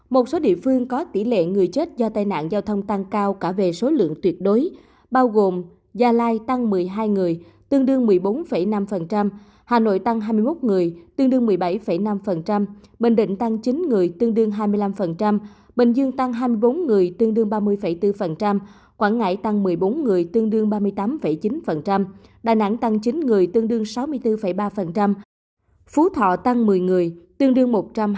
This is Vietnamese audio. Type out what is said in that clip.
một số địa phương có tỷ lệ người chết do tai nạn giao thông tăng cao cả về số lượng tuyệt đối bao gồm gia lai tăng một mươi hai người tương đương một mươi bốn năm hà nội tăng hai mươi một người tương đương một mươi bảy năm bình định tăng chín người tương đương hai mươi năm bình dương tăng hai mươi bốn người tương đương ba mươi bốn quảng ngãi tăng một mươi bốn người tương đương ba mươi tám chín đà nẵng tăng chín người tương đương sáu mươi bốn ba phú thọ tăng một mươi người tương đương một trăm hai mươi năm